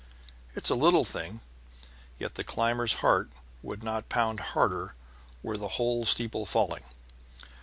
It's a little thing, yet the climber's heart would not pound harder were the whole steeple falling.